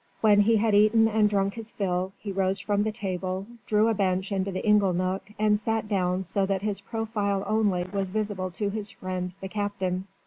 When he had eaten and drunk his fill, he rose from the table, drew a bench into the ingle nook and sat down so that his profile only was visible to his friend "the Captain."